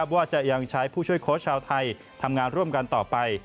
ว่าจะยังใช้ผู้ช่วยโค้ชชาวไทยทำงานร่วมกันต่อไป